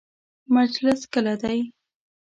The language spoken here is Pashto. مجلس کله دی؟